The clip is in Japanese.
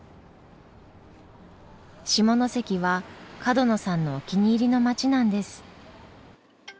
下関は角野さんのお気に入りの街なんです。